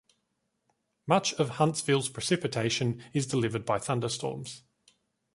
Much of Huntsville's precipitation is delivered by thunderstorms.